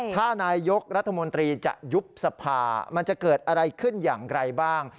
ถ้านายกรัฐมนตรีจะยุบสภามันจะเกิดอะไรขึ้นอย่างไรบ้าง